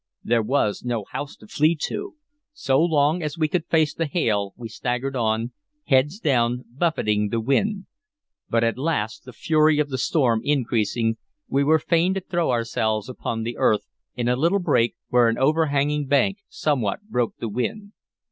There was no house to flee to; so long as we could face the hail we staggered on, heads down, buffeting the wind; but at last, the fury of the storm increasing, we were fain to throw ourselves upon the earth, in a little brake, where an overhanging bank somewhat broke the wind.